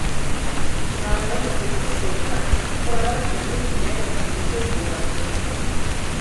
Kuna aga lennukid sisse ei tule, pole varsti enam ühtegi lennukit, mis õhku saaks tõusta.